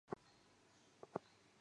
有子张缙。